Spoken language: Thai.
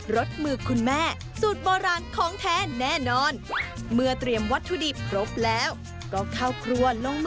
รสมือคุณแม่สูตรโบราณของแท้แน่นอน